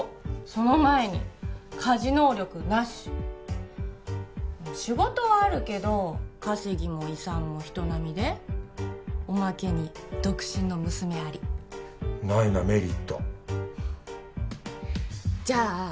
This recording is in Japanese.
その前に家事能力なし仕事はあるけど稼ぎも遺産も人並みでおまけに独身の娘ありないなメリットじゃあ